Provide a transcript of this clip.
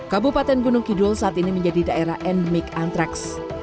kabupaten gunung kidul saat ini menjadi daerah endemik antraks